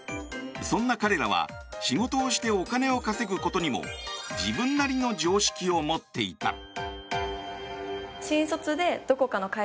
そんな彼らは仕事をしてお金を稼ぐことにも自分なりの常識を持っていた。